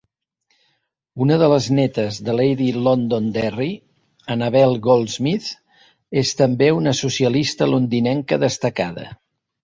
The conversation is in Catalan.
Una de les nétes de Lady Londonderry, Annabel Goldsmith, és també una socialista londinenca destacada.